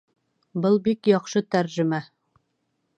Был бик яҡшы тәржемә